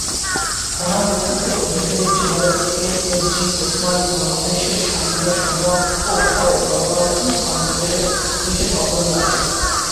মহান ব্যক্তিত্বের অধিকারী general M A G Osmani বাংলাদেশের স্বাধীনতা সংগ্রাম ও পরে গণতান্ত্রিক আন্দোলনে বিশেষ অবদান রাখেন।